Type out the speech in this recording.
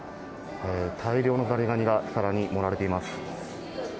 大量のザリガニが皿に盛られています。